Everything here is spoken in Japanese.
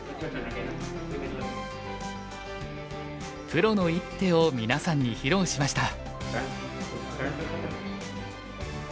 プロの一手をみなさんに披露しました。